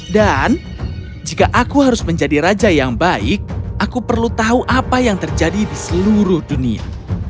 jika aku harus menjadi raja yang baik aku perlu tahu apa yang terjadi di seluruh dunia